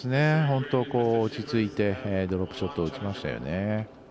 落ち着いてドロップショットを打ちましたよね。